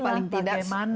tapi paling tidak